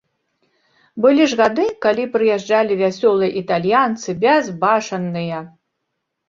Былі ж гады, калі прыязджалі вясёлыя італьянцы, бязбашанныя.